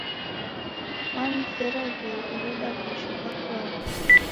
Wanizera w'ei ureda posho kafwani